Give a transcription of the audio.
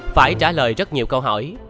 phải trả lời rất nhiều câu hỏi